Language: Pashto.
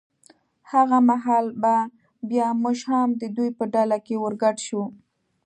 هغه مهال به بیا موږ هم د دوی په ډله کې ور ګډ شو.